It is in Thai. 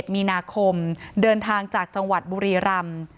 ๑มีนาคมเดินทางจากจังหวัดบุรีรำ